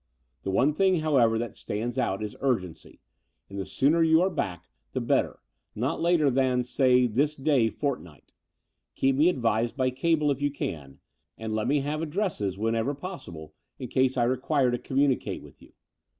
The one thing, however, that stands out is urgency; and the sooner you are back the better — ^not later than, say, this day f ortni^t. Keep me advised by cable if you can ; and let me have ad dresses, whenever possible, in case I require to commtmicate with you.